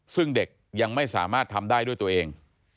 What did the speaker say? ซึ่งเด็กยังไม่สามารถทำได้ด้วยตัวเอง